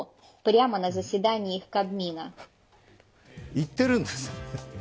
言ってるんです。